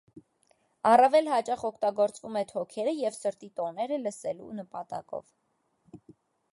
Առավել հաճախ օգտագործվում է թոքերը և սրտի տոները լսելու նպատակով։